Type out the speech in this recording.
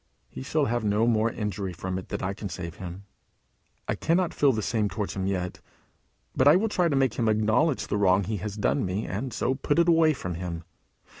He shall have no more injury from it that I can save him. I cannot feel the same towards him yet; but I will try to make him acknowledge the wrong he has done me, and so put it away from him.